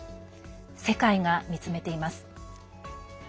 世界が見つめています。